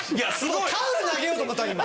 タオル投げようと思った今。